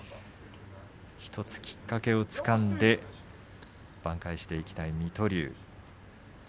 １つきっかけをつかんで挽回していきたい水戸龍です。